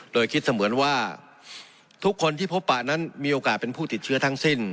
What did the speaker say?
โดยคิดเสมือนว่าทุกคนที่พบปะนั้นมีโอกาสเป็นผู้ติดเชื้อทั้งสิ้น